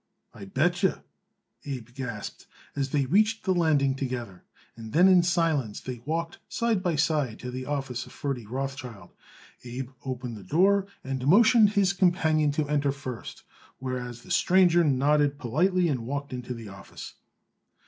"I bet yer," Abe gasped, as they reached the landing together, and then in silence they both walked side by side to the office of Ferdy Rothschild. Abe opened the door and motioned his companion to enter first, whereat the stranger nodded politely and walked into the office.